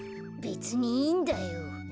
べつにいいんだよ。